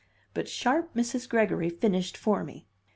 But sharp Mrs. Gregory finished for me.